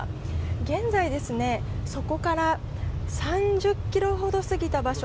現在、そこから３０ｋｍほど過ぎた場所